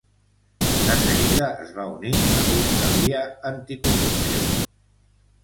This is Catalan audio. De seguida es va unir la fiscalia anticorrupció.